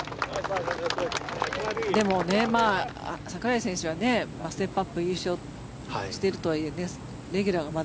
でも、櫻井選手はステップ・アップ優勝しているとはいえレギュラーが。